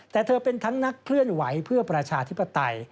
แต่เธอเป็นทั้งนักเคลื่อนไหวเพื่อประชาธิปไตย